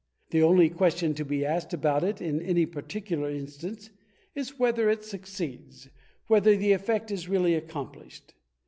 The only question to be asked about it in any particular instance is whether it succeeds, whether the effect is really accomplished?